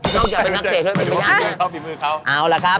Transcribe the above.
เอาแล้วนะครับ